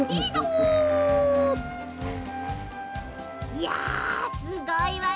いやすごいわね。